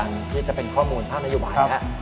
สิ่งที่จะเป็นข้อมูลภาพนัยอบาย